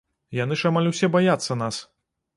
Яны ж амаль усе баяцца нас!